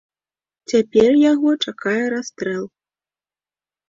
Цяпер яго чакае расстрэл.